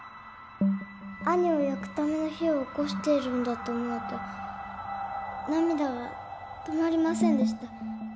兄を焼くための火をおこしているんだと思うと涙が止まりませんでした。